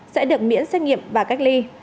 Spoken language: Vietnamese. sẽ được miễn xét nghiệm và cách ly